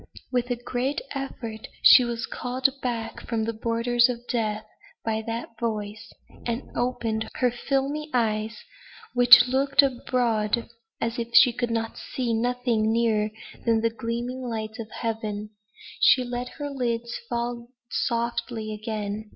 With a great effort she was called back from the borders of death by that voice, and opened her filmy eyes, which looked abroad as if she could see nothing nearer than the gleaming lights of Heaven. She let the lids fall softly again.